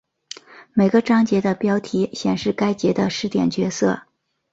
每个章节的标题显示该节的视点角色。